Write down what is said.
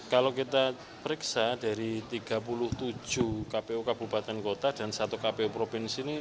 kalau kita periksa dari tiga puluh tujuh kpu kabupaten kota dan satu kpu provinsi ini